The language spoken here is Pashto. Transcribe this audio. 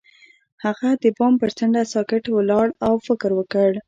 هغه د بام پر څنډه ساکت ولاړ او فکر وکړ.